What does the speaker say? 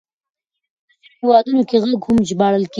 په ځينو هېوادونو کې غږ هم ژباړل کېږي.